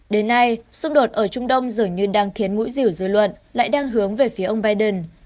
đến nay xung đột ở trung đông dường như đang khiến mũi rỉu dư luận lại đang hướng về phía ông biden